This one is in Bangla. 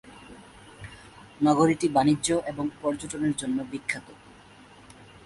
নগরটি বাণিজ্য এবং পর্যটনের জন্য বিখ্যাত।